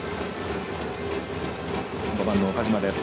５番の岡島です。